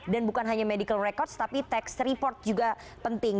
dan bukan hanya medical records tapi text report juga penting